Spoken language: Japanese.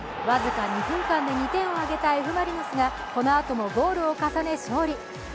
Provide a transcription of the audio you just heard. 僅か２分間で２点を挙げたＦ・マリノスがこのあともゴールを重ね勝利。